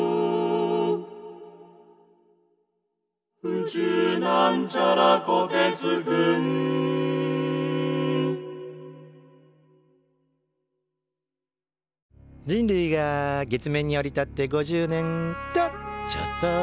「宇宙」人類が月面に降り立って５０年。とちょっと。